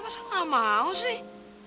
masa gak mau sih